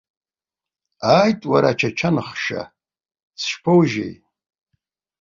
Ааит, уара, ачачанхша, сышԥоужьеи!